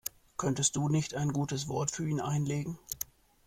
Könntest du nicht ein gutes Wort für ihn einlegen?